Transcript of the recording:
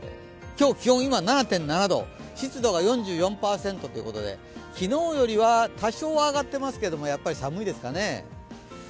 気温は今、７．７度、湿度が４４％ということで、昨日よりは多少は上がっていますけれども、やっぱり寒いですかね。